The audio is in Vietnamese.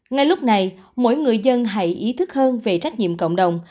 ngay lúc này mỗi người dân hãy ý thức hơn về trách nhiệm cộng đồng